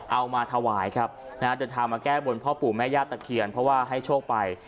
เอามาถวายครับนะฮะเดินทางมาแก้บนพ่อปู่แม่ญาติตะเคียนเพราะว่าให้โชคไป